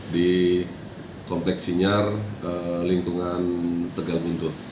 di kompleks sinyar lingkungan tegal buntut